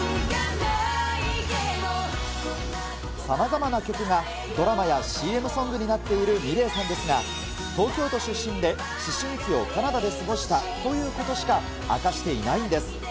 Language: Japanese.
さまざまな曲が、ドラマやＣＭソングになっているｍｉｌｅｔさんですが、東京都出身で、思春期をカナダで過ごしたということしか明かしていないんです。